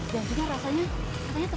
dan rasanya terkenal enak